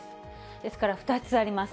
ですから２つあります。